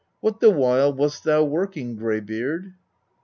What, the while, wast thou working, Greybeard